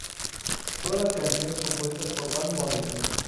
Todas las canciones compuestas por Van Morrison.